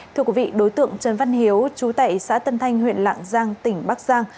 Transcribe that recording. thưa quý vị đối tượng trần văn hiếu chú tại xã tân thanh huyện lạng giang tỉnh bắc giang